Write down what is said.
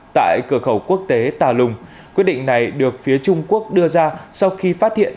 tại cửa khẩu quốc tế tà lùng quyết định này được phía trung quốc đưa ra sau khi phát hiện